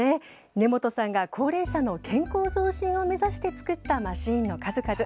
根本さんが、高齢者の健康増進を目指して作ったマシンの数々。